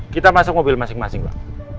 kita masuk mobil masing masing pak